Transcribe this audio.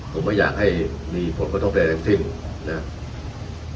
ผมไม่อยากให้มีผลกระทบใดทั้งสิ้นนะครับ